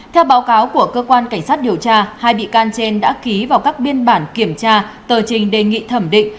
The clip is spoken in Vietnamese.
theo báo cáo của cơ quan cảnh sát điều tra hai bị can trên đã ký vào các biên bản kiểm tra tờ trình đề nghị thẩm định